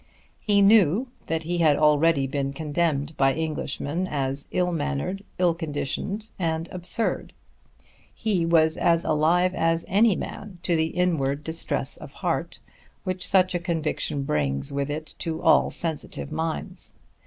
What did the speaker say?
He knew that he had already been condemned by Englishmen as ill mannered, ill conditioned and absurd. He was as much alive as any man to the inward distress of heart which such a conviction brings with it to all sensitive minds.